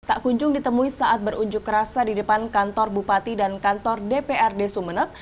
tak kunjung ditemui saat berunjuk rasa di depan kantor bupati dan kantor dprd sumeneb